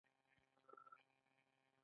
د غاښونو د توروالي لپاره باید څه شی وکاروم؟